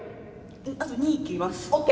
あと２いきますＯＫ